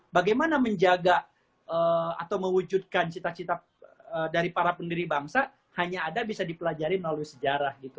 bagaimana menjaga atau mewujudkan cita cita dari para pendiri bangsa hanya ada bisa dipelajari melalui sejarah gitu